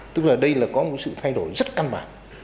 tức là đây là có một sự thay đổi rất căn bản